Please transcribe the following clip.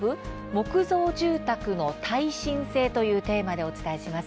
木造住宅の耐震性」というテーマでお伝えします。